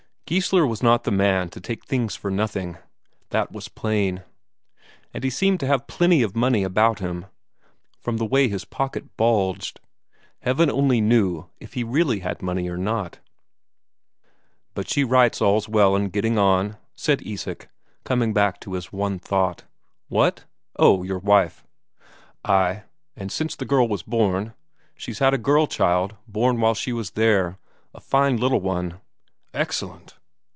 Geissler was not the man to take things for nothing, that was plain. And he seemed to have plenty of money about him, from the way his pocket bulged. Heaven only knew if he really had money or not. "But she writes all's well and getting on," said Isak, coming back to his one thought. "What? Oh, your wife!" "Ay. And since the girl was born she's had a girl child, born while she was there. A fine little one." "Excellent!"